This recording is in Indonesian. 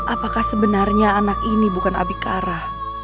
apakah sebenarnya anak ini bukan abikara